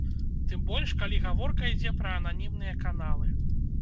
Тым больш, калі гаворка ідзе пра ананімныя каналы.